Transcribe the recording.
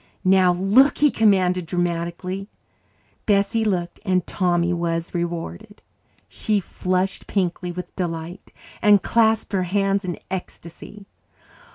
"Now look!" he commanded dramatically. Bessie looked and Tommy was rewarded. She flushed pinkly with delight and clasped her hands in ecstasy.